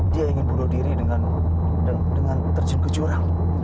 dia ingin bunuh diri dengan terjun ke jurang